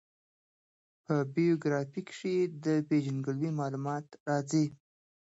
په بېوګرافي کښي د پېژندګلوي معلومات راځي.